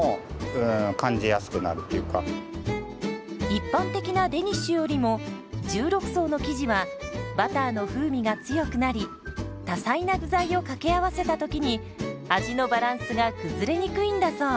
一般的なデニッシュよりも１６層の生地はバターの風味が強くなり多彩な具材を掛け合わせた時に味のバランスが崩れにくいんだそう。